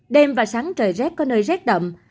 đêm và sáng trời rét có nơi rét đậm